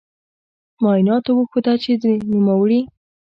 معایناتو وښوده چې د نوموړې